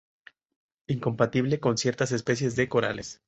Incompatible con ciertas especies de corales.